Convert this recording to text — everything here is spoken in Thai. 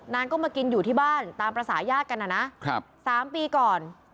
นานก็มากินอยู่ที่บ้านตามภาษายากันอะนะครับสามปีก่อน